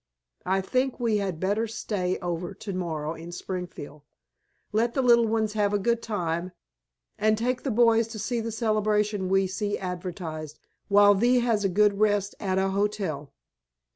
I think we had better stay over to morrow in Springfield, let the little ones have a good time, and take the boys to see the celebration we see advertised, while thee has a good rest at a hotel."